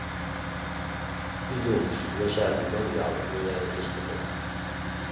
Dilluns na Cel i n'Oriol aniran a Castelló.